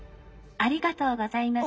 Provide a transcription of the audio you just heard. ありがとうございます。